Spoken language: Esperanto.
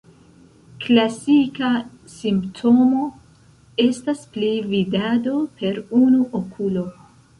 Klasika simptomo estas pli-vidado per unu okulo.